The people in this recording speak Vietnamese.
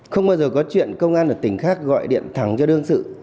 không bao giờ có chuyện công an ở tỉnh khác gọi điện thẳng cho đương sự